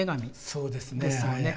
そうですね